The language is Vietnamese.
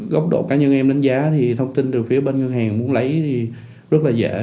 góc độ cá nhân em đánh giá thì thông tin từ phía bên ngân hàng muốn lấy thì rất là dễ